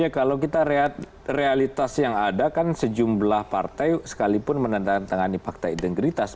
ya kalau kita lihat realitas yang ada kan sejumlah partai sekalipun menandatangani fakta integritas